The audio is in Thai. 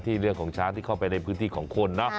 เรื่องของช้างที่เข้าไปในพื้นที่ของคนเนอะ